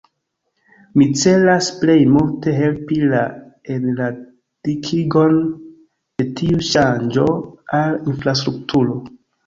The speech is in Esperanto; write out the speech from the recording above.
Mi celas plej multe helpi la enradikigon de tiu ŝanĝo al infrastrukturo.